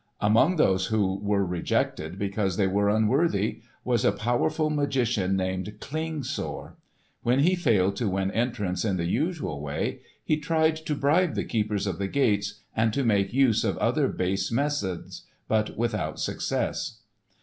Among those who were rejected because they were unworthy was a powerful magician named Klingsor. When he failed to win entrance in the usual way he tried to bribe the keepers of the gates and to make use of other base methods, but without success.